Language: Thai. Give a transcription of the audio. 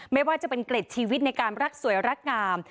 ไม่ว่าจะเป็นเกล็ดชีวิตในการรักสวยรักงาม